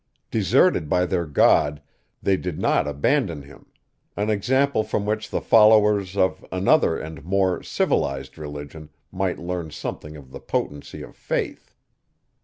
Deserted by their god, they did not abandon him; an example from which the followers of another and more "civilized" religion might learn something of the potency of faith.